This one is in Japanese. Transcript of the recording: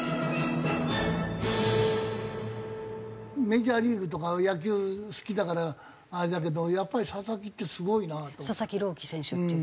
メジャーリーグとか野球好きだからあれだけどやっぱり佐々木ってすごいなって。